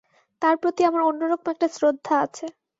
তাঁর প্রতি আমার অন্য রকম একটা শ্রদ্ধা আছে।